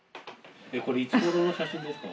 これいつごろの写真ですか？